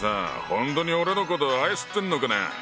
本当に俺のことを愛してんのかな？